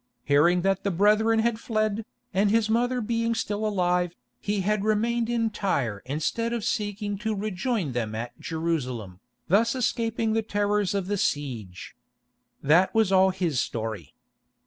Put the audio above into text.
Hearing that the brethren had fled, and his mother being still alive, he had remained in Tyre instead of seeking to rejoin them at Jerusalem, thus escaping the terrors of the siege. That was all his story.